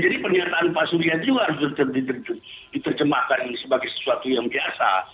jadi pernyataan pak surya juga harus diterjemahkan sebagai sesuatu yang biasa